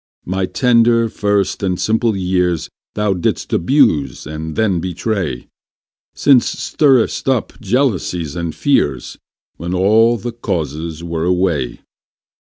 My tender, first, and simple years Thou didst abuse and then betray; Since stirdst up jealousies and fears, When all the causes were away.